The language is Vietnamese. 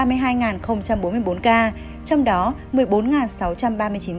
trong đó một mươi bốn sáu trăm ba mươi chín ca cộng đồng hai mươi bốn trăm linh năm ca phát hiện trong khu cách ly